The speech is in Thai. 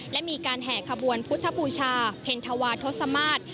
และมีการแห่ขบวนพุทธบูชาเพ็ญธวาทศมาศ